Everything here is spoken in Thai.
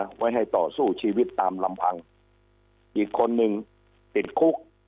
ไว้ให้ต่อสู้ชีวิตตามลำพังอีกคนนึงติดคุก